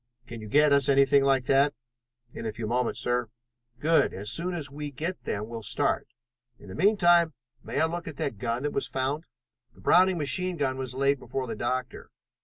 Can you get us anything like that?" "In a few moments, sir." "Good! As soon as we can get them we'll start. In the meantime, may I look at that gun that was found?" The Browning machine gun was laid before the doctor.